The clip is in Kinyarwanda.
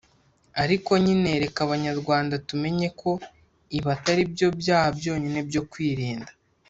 Ariko nyine reka Abanyarwanda tumenye ko ibi atari byo byaha byonyine byo kwirinda